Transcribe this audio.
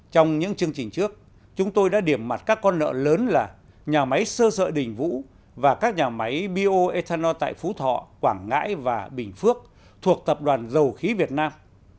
trong những chương trình trước chúng tôi đã điểm mặt các con nợ lớn là nhà máy sơ sợi đình vũ và các nhà máy bio ethanol tại phú thọ quảng ngãi và bình phước thuộc tập đoàn dầu khí việt nam